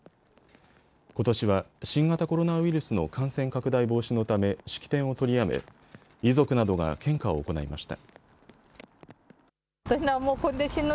ことしは新型コロナウイルスの感染拡大防止のため式典を取りやめ遺族などが献花を行いました。